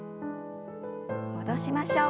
戻しましょう。